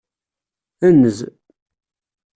Enz.